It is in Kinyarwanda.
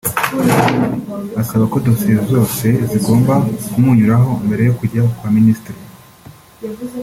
asaba ko dosiye zose zigomba kumunyuraho mbere yo kujya kwa Ministre